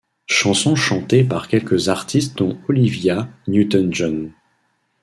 Chanson chantée par quelques artistes dont Olivia Newton-John.